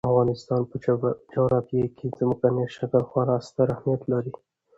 د افغانستان په جغرافیه کې ځمکنی شکل خورا ستر اهمیت لري.